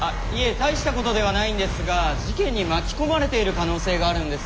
大したことではないんですが事件に巻き込まれている可能性があるんです。